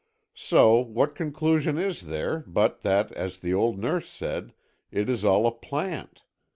So, what conclusion is there, but that, as the old nurse said, it is all a plant?